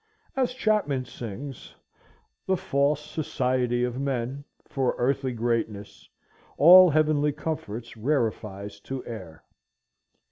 As Chapman sings,— "The false society of men— —for earthly greatness All heavenly comforts rarefies to air."